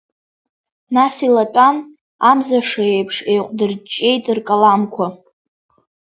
Нас илатәан, амзаша еиԥш еиҟәдырҷҷеит ркаламқәа.